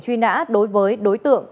truy nã đối với đối tượng